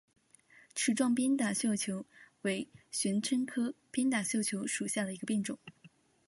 齿状鞭打绣球为玄参科鞭打绣球属下的一个变种。